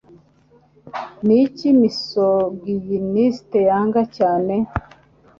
Niki Misogynist Yanga cyane?